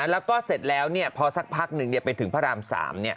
แล้วก็เสร็จแล้วพอสักพักหนึ่งไปถึงพระราม๓